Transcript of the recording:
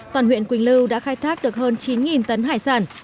toàn huyện quỳnh lưu đã khai thác được hơn chín tấn hải sản